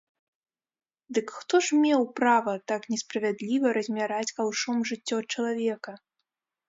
Дык хто ж меў права так несправядліва размяраць каўшом жыццё чалавека?